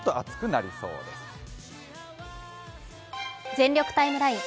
「全力タイムライン」